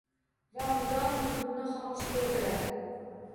Va mudom bulbulni xomush ko‘rdilar